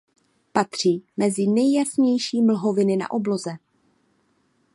Patří mezi nejjasnější mlhoviny na obloze.